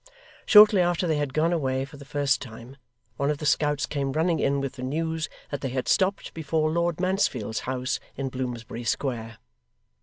Shortly after they had gone away for the first time, one of the scouts came running in with the news that they had stopped before Lord Mansfield's house in Bloomsbury Square.